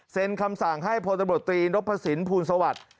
เซ็นคำสั่งให้พลตำรวจตรีนพศิลป์ภูมิสวรรค์